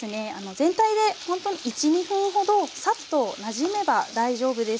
全体でほんと１２分ほどサッとなじめば大丈夫です。